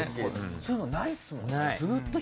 そういうのないっすもんね。